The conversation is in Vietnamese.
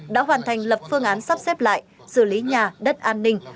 đã hoàn thành lập phương án sắp xếp lại xử lý nhà đất an ninh